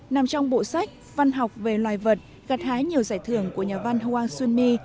nằm trong bộ sách văn học về loài vật gặt hái nhiều giải thưởng của nhà văn hoàng xuân my